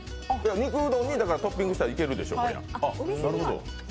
肉うどんにトッピングしたらいけるでしょ。